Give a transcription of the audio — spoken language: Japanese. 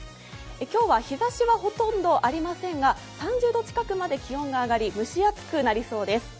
今日は日ざしはほとんどありませんが３０度近くまで気温が上がり蒸し暑くなりそうです。